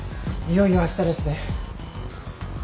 いよいよあしたですね。